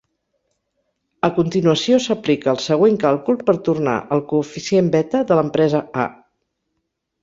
A continuació s'aplica el següent càlcul per tornar el coeficient beta de l'empresa A.